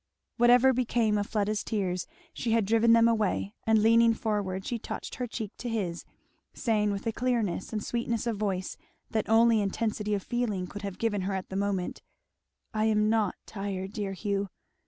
Whatever became of Fleda's tears she had driven them away and leaning forward she touched her cheek to his, saying with a clearness and sweetness of voice that only intensity of feeling could have given her at the moment, "I am not tired, dear Hugh."